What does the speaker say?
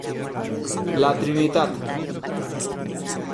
La Trinitat